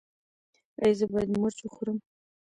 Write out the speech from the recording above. ایا زه باید مرچ وخورم؟